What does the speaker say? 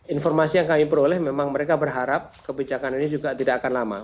informasi yang kami peroleh memang mereka berharap kebijakan ini juga tidak akan lama